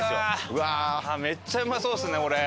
うわめっちゃうまそうですねこれ。